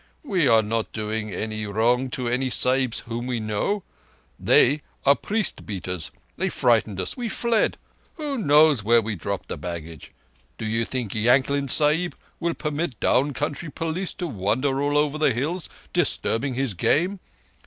We are not doing any wrong to any Sahibs whom we know. They are priest beaters. They frightened us. We fled! Who knows where we dropped the baggage? Do ye think Yankling Sahib will permit down country police to wander all over the hills, disturbing his game?